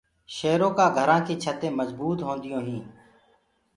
شيرو ڪآ گھرآ ڪي ڇتينٚ مجبوت هونديونٚ هينٚ۔